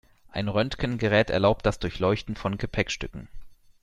Ein Röntgengerät erlaubt das Durchleuchten von Gepäckstücken.